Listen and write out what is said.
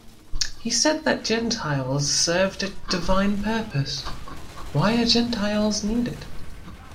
He said that Gentiles served a divine purpose: Why are Gentiles needed?